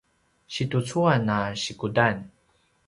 situcuan a sikudan